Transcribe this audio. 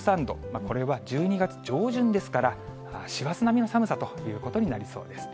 これは１２月上旬ですから、師走並みの寒さということになりそうです。